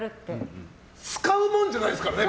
使うもんじゃないですからね。